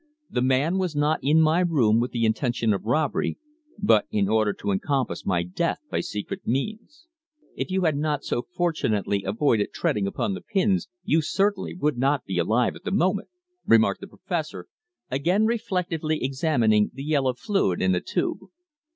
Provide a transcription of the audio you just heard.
The man was not in my room with the intention of robbery, but in order to encompass my death by secret means." "If you had not so fortunately avoided treading upon the pins you certainly would not be alive at the moment," remarked the Professor, again reflectively examining the yellow fluid in the tube.